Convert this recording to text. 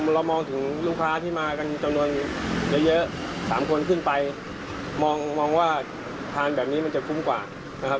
เรามองถึงลูกค้าที่มากันจำนวนเยอะ๓คนขึ้นไปมองว่าทานแบบนี้มันจะคุ้มกว่านะครับ